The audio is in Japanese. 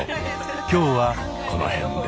今日はこの辺で。